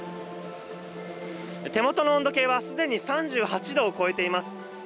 手元の温度計は既に３８度を超えています。